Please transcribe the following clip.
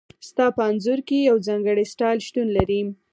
ستا په انځور کې یو ځانګړی سټایل شتون لري